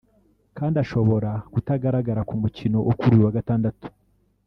kandi ashobora kutagaragara ku mukino wo kuri uyu wa Gatandatu